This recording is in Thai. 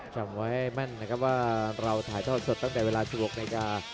จำไว้แม่นนะครับว่าเราถ่ายทอดสดตั้งแต่เวลา๑๖นาฬิกา